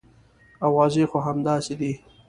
اوازې خو همداسې دي.